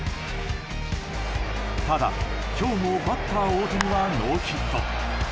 ただ、今日もバッター大谷はノーヒット。